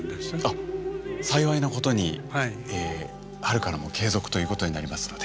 あっ幸いなことに春からも継続ということになりますので。